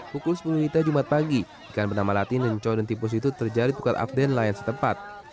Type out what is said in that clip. pukul sepuluh tiga puluh jumat pagi ikan bernama latin dan cowok dan tipus itu terjari pukat afdel nelayan setempat